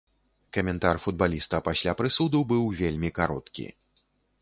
Каментар футбаліста пасля прысуду быў вельмі кароткі.